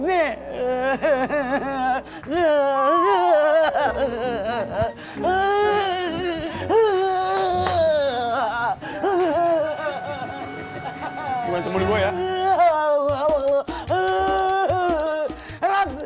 gue temui ya